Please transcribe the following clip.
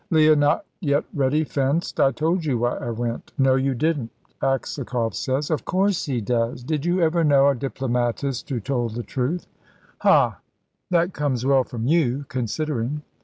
Leah, not yet ready, fenced. "I told you why I went." "No, you didn't. Aksakoff says " "Of course he does. Did you ever know a diplomatist who told the truth?" "Huh! That comes well from you, considering."